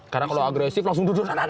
karena kalau agresif langsung turun